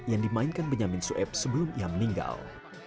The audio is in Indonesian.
yang dimainkan benyamin sueb sebelum ia meninggal